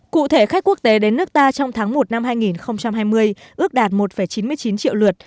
cụ thể khách quốc tế đến nước ta trong tháng một năm hai nghìn hai mươi ước đạt một chín mươi chín triệu lượt